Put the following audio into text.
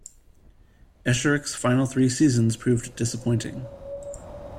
Esherick's final three seasons proved disappointing.